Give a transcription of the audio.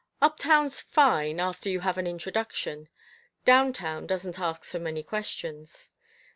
"Uptown's fine, after you have an introduction. Downtown doesn't ask so many questions."